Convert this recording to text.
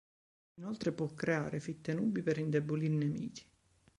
Inoltre può creare fitte nubi per indebolire i nemici.